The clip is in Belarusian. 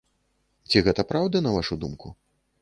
Ці гэта праўда, на вашу думку?